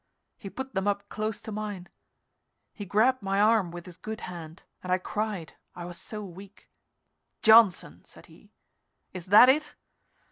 He put them up close to mine. He grabbed my arm with his good hand, and I cried, I was so weak. "Johnson," said he, "is that it?